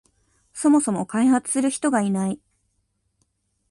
そもそも開発する人がいない